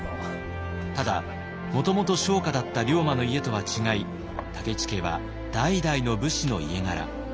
ただもともと商家だった龍馬の家とは違い武市家は代々の武士の家柄。